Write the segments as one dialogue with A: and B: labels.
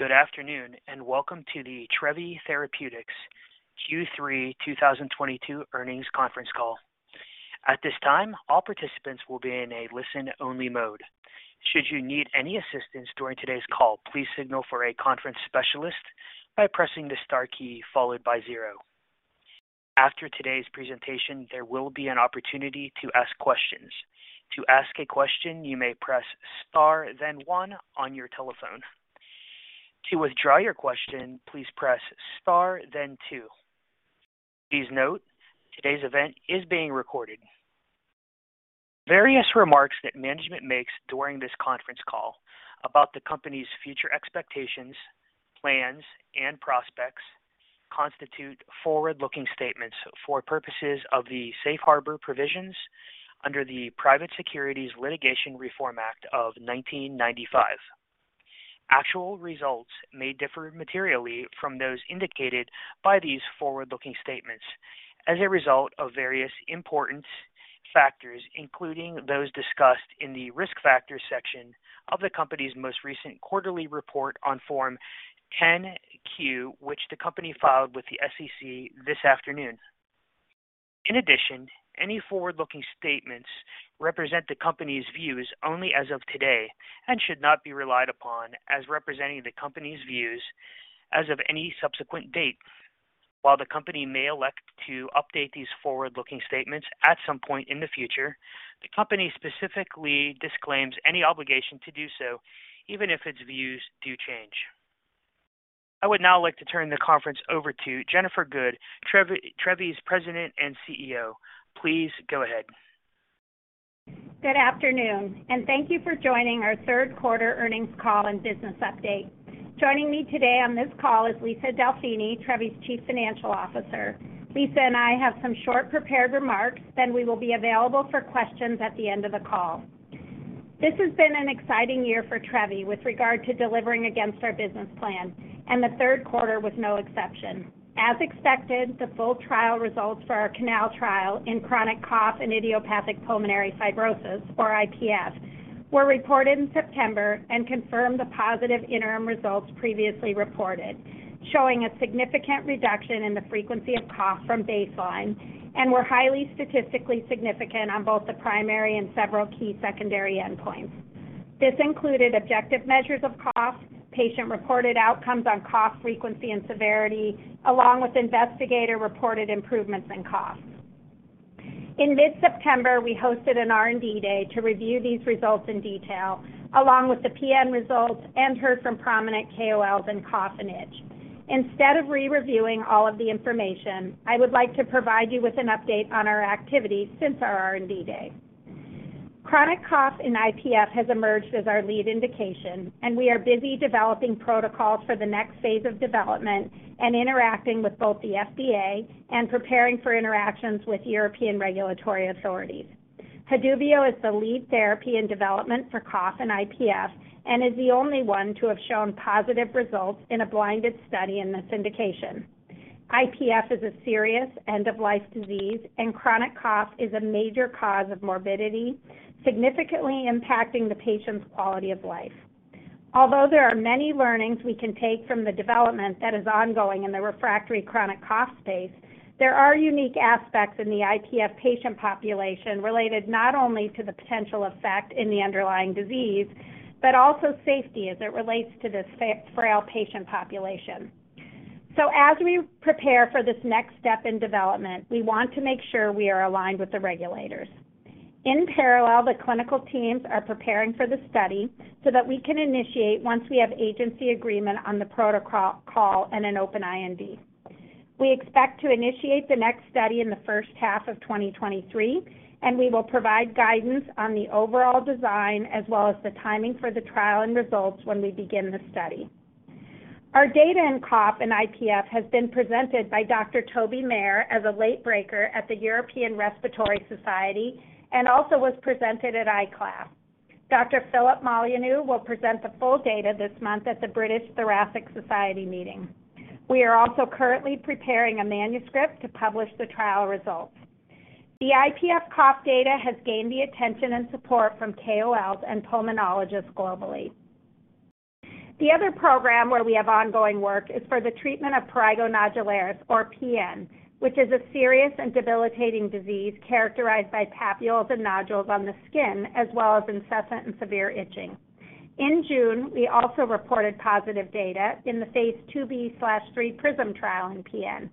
A: Good afternoon, and welcome to the Trevi Therapeutics Q3 2022 earnings conference call. At this time, all participants will be in a listen-only mode. Should you need any assistance during today's call, please signal for a conference specialist by pressing the star key followed by zero. After today's presentation, there will be an opportunity to ask questions. To ask a question, you may press star then one on your telephone. To withdraw your question, please press star then two. Please note, today's event is being recorded. Various remarks that management makes during this conference call about the company's future expectations, plans, and prospects constitute forward-looking statements for purposes of the Safe Harbor Provisions under the Private Securities Litigation Reform Act of 1995. Actual results may differ materially from those indicated by these forward-looking statements as a result of various important factors, including those discussed in the Risk Factors section of the company's most recent quarterly report on Form 10-Q, which the company filed with the SEC this afternoon. In addition, any forward-looking statements represent the company's views only as of today and should not be relied upon as representing the company's views as of any subsequent date. While the company may elect to update these forward-looking statements at some point in the future, the company specifically disclaims any obligation to do so, even if its views do change. I would now like to turn the conference over to Jennifer Good, Trevi's President and CEO. Please go ahead.
B: Good afternoon, and thank you for joining our third quarter earnings call and business update. Joining me today on this call is Lisa Delfini, Trevi's Chief Financial Officer. Lisa and I have some short prepared remarks, then we will be available for questions at the end of the call. This has been an exciting year for Trevi with regard to delivering against our business plan, and the third quarter was no exception. As expected, the full trial results for our CANAL trial in chronic cough and Idiopathic Pulmonary Fibrosis, or IPF, were reported in September and confirmed the positive interim results previously reported, showing a significant reduction in the frequency of cough from baseline and were highly statistically significant on both the primary and several key secondary endpoints. This included objective measures of cough, patient-reported outcomes on cough frequency and severity, along with investigator-reported improvements in cough. In mid-September, we hosted an R&D day to review these results in detail, along with the PN results, and heard from prominent KOLs in cough and itch. Instead of re-reviewing all of the information, I would like to provide you with an update on our activities since our R&D day. Chronic cough in IPF has emerged as our lead indication, and we are busy developing protocols for the next phase of development and interacting with both the FDA and preparing for interactions with European regulatory authorities. Haduvio is the lead therapy in development for cough and IPF and is the only one to have shown positive results in a blinded study in this indication. IPF is a serious end-of-life disease, and chronic cough is a major cause of morbidity, significantly impacting the patient's quality of life. Although there are many learnings we can take from the development that is ongoing in the refractory chronic cough space, there are unique aspects in the IPF patient population related not only to the potential effect in the underlying disease, but also safety as it relates to this frail patient population. As we prepare for this next step in development, we want to make sure we are aligned with the regulators. In parallel, the clinical teams are preparing for the study so that we can initiate once we have agency agreement on the protocol and an open IND. We expect to initiate the next study in the first half of 2023, and we will provide guidance on the overall design as well as the timing for the trial and results when we begin the study. Our data in cough and IPF has been presented by Dr. Toby Maher as a late breaker at the European Respiratory Society and also was presented at ICLAF. Dr. Philip Molyneaux will present the full data this month at the British Thoracic Society meeting. We are also currently preparing a manuscript to publish the trial results. The IPF cough data has gained the attention and support from KOLs and pulmonologists globally. The other program where we have ongoing work is for the treatment of prurigo nodularis, or PN, which is a serious and debilitating disease characterized by papules and nodules on the skin, as well as incessant and severe itching. In June, we also reported positive data in the phase II-B/III PRISM trial in PN.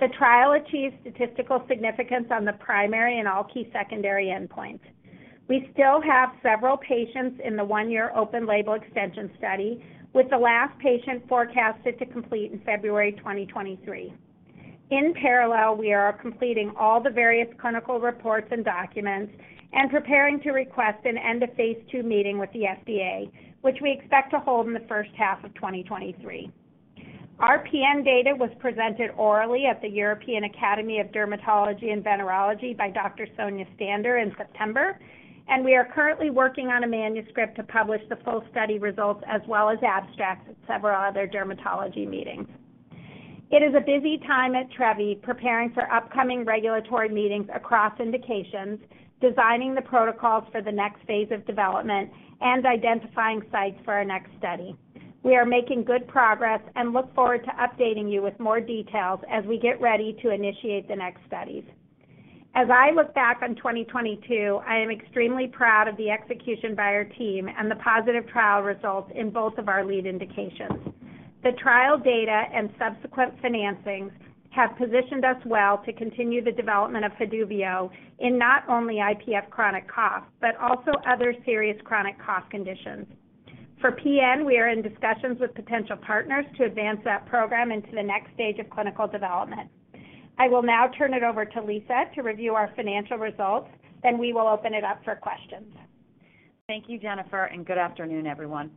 B: The trial achieved statistical significance on the primary and all key secondary endpoints. We still have several patients in the one-year open-label extension study, with the last patient forecasted to complete in February 2023. In parallel, we are completing all the various clinical reports and documents and preparing to request an end-of-phase II meeting with the FDA, which we expect to hold in the first half of 2023. Our PN data was presented orally at the European Academy of Dermatology and Venereology by Dr. Sonja Ständer in September, and we are currently working on a manuscript to publish the full study results as well as abstracts at several other dermatology meetings. It is a busy time at Trevi preparing for upcoming regulatory meetings across indications, designing the protocols for the next phase of development, and identifying sites for our next study. We are making good progress and look forward to updating you with more details as we get ready to initiate the next studies. As I look back on 2022, I am extremely proud of the execution by our team and the positive trial results in both of our lead indications. The trial data and subsequent financings have positioned us well to continue the development of Haduvio in not only IPF chronic cough, but also other serious chronic cough conditions. For PN, we are in discussions with potential partners to advance that program into the next stage of clinical development. I will now turn it over to Lisa to review our financial results, then we will open it up for questions.
C: Thank you, Jennifer, and good afternoon, everyone.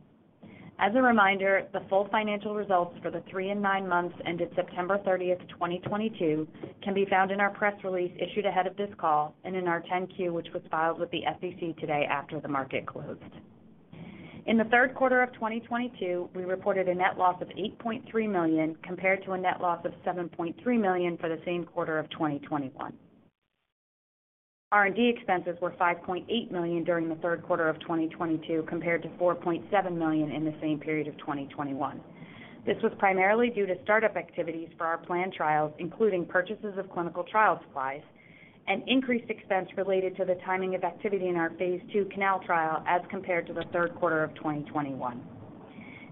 C: As a reminder, the full financial results for the three and nine months ended September 30th, 2022 can be found in our press release issued ahead of this call and in our 10-Q, which was filed with the SEC today after the market closed. In the third quarter of 2022, we reported a net loss of $8.3 million, compared to a net loss of $7.3 million for the same quarter of 2021. R&D expenses were $5.8 million during the third quarter of 2022, compared to $4.7 million in the same period of 2021. This was primarily due to start-up activities for our planned trials, including purchases of clinical trial supplies and increased expense related to the timing of activity in our phase II CANAL trial as compared to the third quarter of 2021.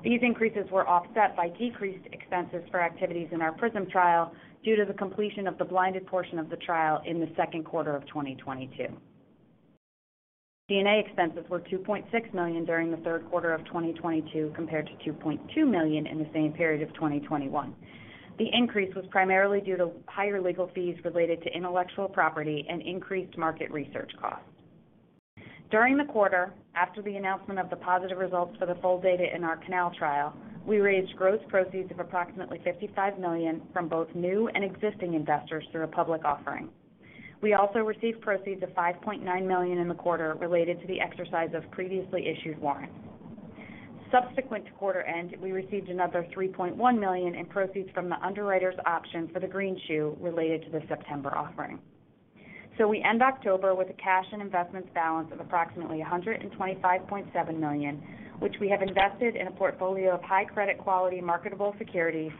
C: These increases were offset by decreased expenses for activities in our PRISM trial due to the completion of the blinded portion of the trial in the second quarter of 2022. G&A expenses were $2.6 million during the third quarter of 2022, compared to $2.2 million in the same period of 2021. The increase was primarily due to higher legal fees related to intellectual property and increased market research costs. During the quarter, after the announcement of the positive results for the full data in our CANAL trial, we raised gross proceeds of approximately $55 million from both new and existing investors through a public offering. We also received proceeds of $5.9 million in the quarter related to the exercise of previously issued warrants. Subsequent to quarter end, we received another $3.1 million in proceeds from the underwriter's option for the greenshoe related to the September offering. We end October with a cash and investments balance of approximately $125.7 million, which we have invested in a portfolio of high credit quality marketable securities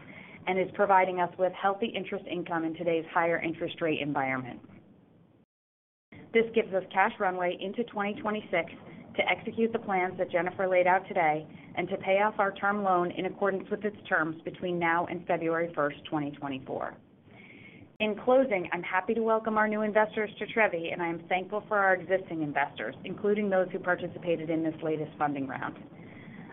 C: and is providing us with healthy interest income in today's higher interest rate environment. This gives us cash runway into 2026 to execute the plans that Jennifer laid out today and to pay off our term loan in accordance with its terms between now and February 1st, 2024. In closing, I'm happy to welcome our new investors to Trevi, and I am thankful for our existing investors, including those who participated in this latest funding round.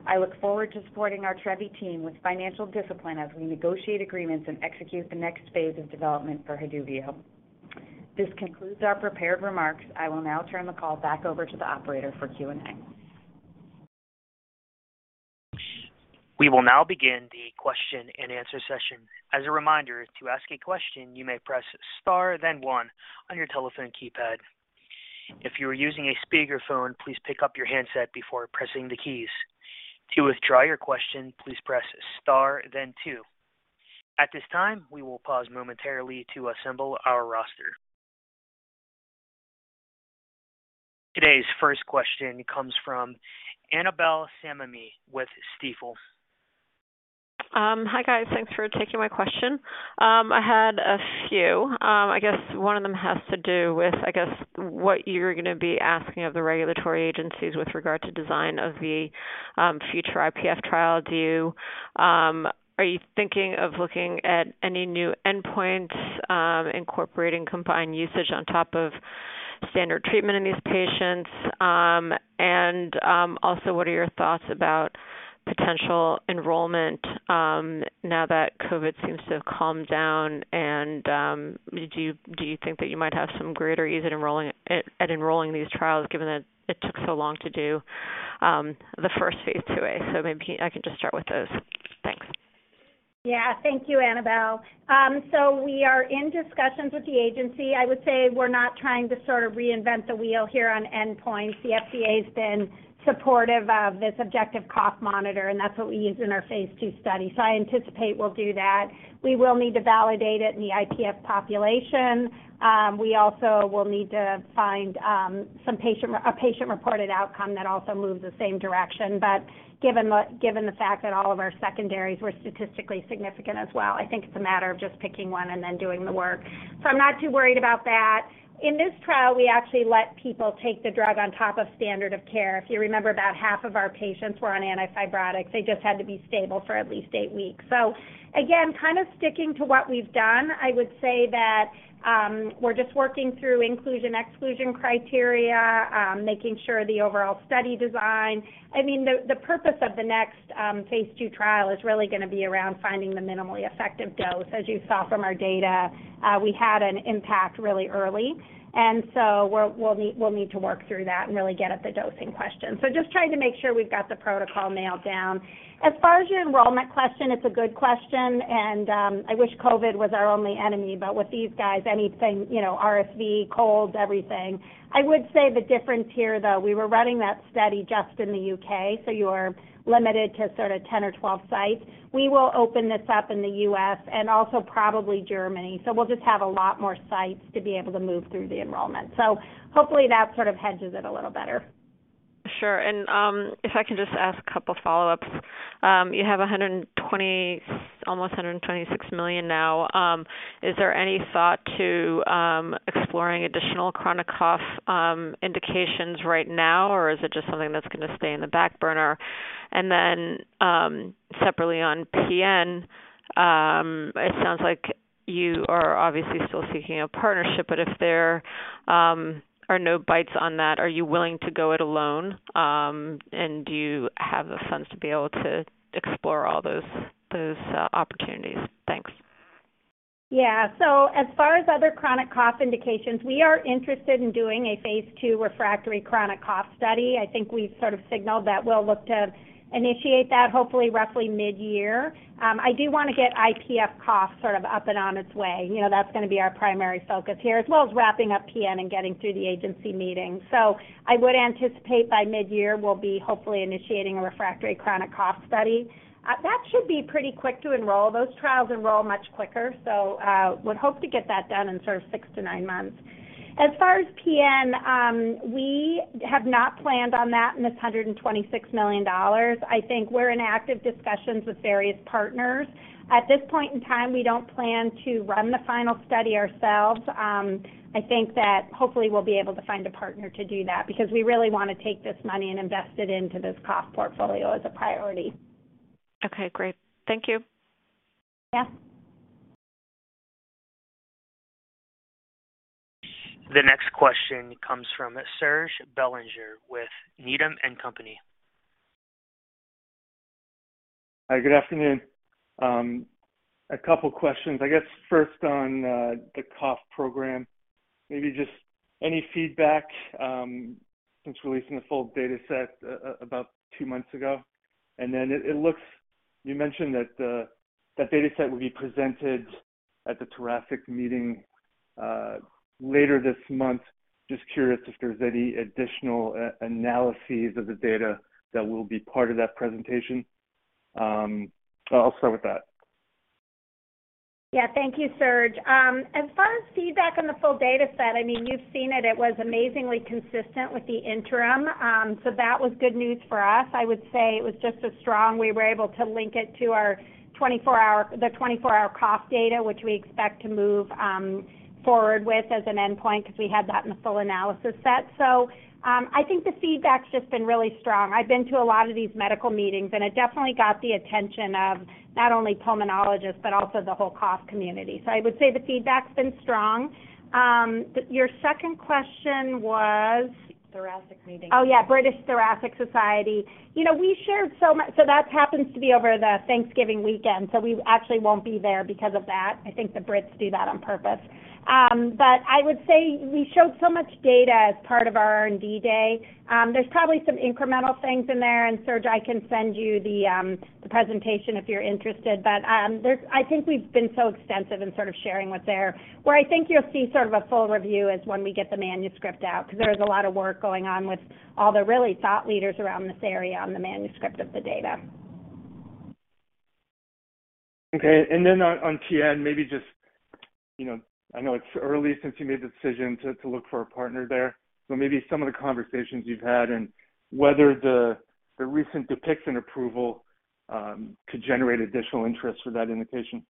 C: I look forward to supporting our Trevi team with financial discipline as we negotiate agreements and execute the next phase of development for Haduvio. This concludes our prepared remarks. I will now turn the call back over to the operator for Q&A.
A: We will now begin the question and answer session. As a reminder, to ask a question, you may press star then one on your telephone keypad. If you are using a speakerphone, please pick up your handset before pressing the keys. To withdraw your question, please press star then two. At this time, we will pause momentarily to assemble our roster. Today's first question comes from Annabel Samimy with Stifel.
D: Hi, guys. Thanks for taking my question. I had a few. I guess one of them has to do with, I guess, what you're gonna be asking of the regulatory agencies with regard to design of the future IPF trial. Are you thinking of looking at any new endpoints, incorporating combined usage on top of standard treatment in these patients? And also, what are your thoughts about potential enrollment now that COVID seems to have calmed down and do you think that you might have some greater ease at enrolling these trials given that it took so long to do the first phase II-A? Maybe I can just start with those. Thanks.
B: Yeah. Thank you, Annabel. We are in discussions with the agency. I would say we're not trying to sort of reinvent the wheel here on endpoints. The FDA's been supportive of this objective cough monitor, and that's what we used in our phase II study. I anticipate we'll do that. We will need to validate it in the IPF population. We also will need to find a patient-reported outcome that also moves the same direction. Given the fact that all of our secondaries were statistically significant as well, I think it's a matter of just picking one and then doing the work. I'm not too worried about that. In this trial, we actually let people take the drug on top of standard of care. If you remember, about half of our patients were on antifibrotics. They just had to be stable for at least eight weeks. Again, kind of sticking to what we've done, I would say that we're just working through inclusion, exclusion criteria, making sure the overall study design. I mean, the purpose of the next phase II trial is really gonna be around finding the minimally effective dose. As you saw from our data, we had an impact really early. We'll need to work through that and really get at the dosing question. Just trying to make sure we've got the protocol nailed down. As far as your enrollment question, it's a good question, and I wish COVID was our only enemy. With these guys, anything, you know, RSV, colds, everything. I would say the difference here, though, we were running that study just in the U.K., so you're limited to sort of 10 or 12 sites. We will open this up in the U.S. and also probably Germany. We'll just have a lot more sites to be able to move through the enrollment. Hopefully that sort of hedges it a little better.
D: Sure. If I can just ask a couple follow-ups. You have almost $126 million now. Is there any thought to exploring additional chronic cough indications right now, or is it just something that's gonna stay in the back burner? Separately on PN, it sounds like you are obviously still seeking a partnership, but if there are no bites on that, are you willing to go it alone? Do you have the funds to be able to explore all those opportunities? Thanks.
B: Yeah. As far as other chronic cough indications, we are interested in doing a phase II refractory chronic cough study. I think we've sort of signaled that we'll look to initiate that, hopefully roughly mid-year. I do wanna get IPF cough sort of up and on its way. You know, that's gonna be our primary focus here, as well as wrapping up PN and getting through the agency meeting. I would anticipate by mid-year, we'll be hopefully initiating a refractory chronic cough study. That should be pretty quick to enroll. Those trials enroll much quicker, so would hope to get that done in sort of six to nine months. As far as PN, we have not planned on that in this $126 million. I think we're in active discussions with various partners. At this point in time, we don't plan to run the final study ourselves. I think that hopefully we'll be able to find a partner to do that because we really wanna take this money and invest it into this cough portfolio as a priority.
D: Okay, great. Thank you.
B: Yeah.
A: The next question comes from Serge Belanger with Needham & Company.
E: Hi, good afternoon. A couple questions. I guess first on the cough program, maybe just any feedback since releasing the full data set about two months ago? It looks. You mentioned that that data set will be presented at the thoracic meeting later this month. Just curious if there's any additional analyses of the data that will be part of that presentation. I'll start with that.
B: Yeah. Thank you, Serge. As far as feedback on the full data set, I mean, you've seen it. It was amazingly consistent with the interim, so that was good news for us. I would say it was just as strong. We were able to link it to our 24-hour cough data, which we expect to move forward with as an endpoint because we had that in the full analysis set. I think the feedback's just been really strong. I've been to a lot of these medical meetings, and it definitely got the attention of not only pulmonologists, but also the whole cough community. I would say the feedback's been strong. Your second question was-
C: Thoracic meeting.
B: Oh, yeah, British Thoracic Society. You know, we shared so much. That happens to be over the Thanksgiving weekend, so we actually won't be there because of that. I think the Brits do that on purpose. I would say we showed so much data as part of our R&D day. There's probably some incremental things in there, and Serge, I can send you the presentation if you're interested. I think we've been so extensive in sort of sharing what's there. Where I think you'll see sort of a full review is when we get the manuscript out, 'cause there is a lot of work going on with all the really thought leaders around this area on the manuscript of the data.
E: Okay. On PN, maybe just, you know, I know it's early since you made the decision to look for a partner there, so maybe some of the conversations you've had and whether the recent Dupixent approval could generate additional interest for that indication.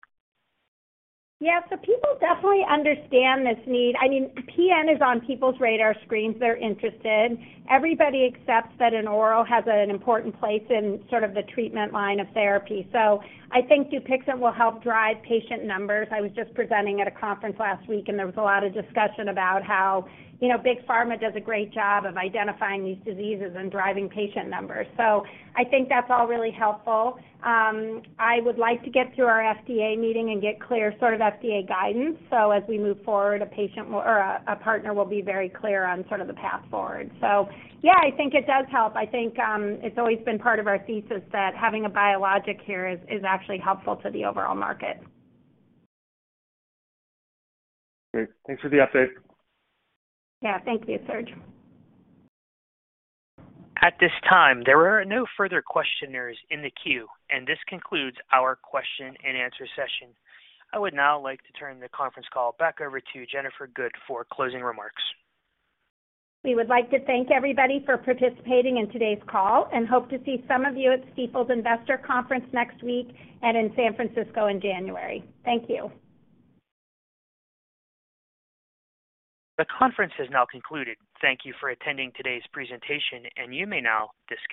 B: Yeah. People definitely understand this need. I mean, PN is on people's radar screens. They're interested. Everybody accepts that an oral has an important place in sort of the treatment line of therapy. I think Dupixent will help drive patient numbers. I was just presenting at a conference last week and there was a lot of discussion about how, you know, big pharma does a great job of identifying these diseases and driving patient numbers. I think that's all really helpful. I would like to get through our FDA meeting and get clear sort of FDA guidance, so as we move forward, a payer or a partner will be very clear on sort of the path forward. Yeah, I think it does help. I think, it's always been part of our thesis that having a biologic here is actually helpful to the overall market.
E: Great. Thanks for the update.
B: Yeah. Thank you, Serge.
A: At this time, there are no further questioners in the queue, and this concludes our question and answer session. I would now like to turn the conference call back over to Jennifer Good for closing remarks.
B: We would like to thank everybody for participating in today's call, and hope to see some of you at Stifel's Investor Conference next week and in San Francisco in January. Thank you.
A: The conference has now concluded. Thank you for attending today's presentation, and you may now disconnect.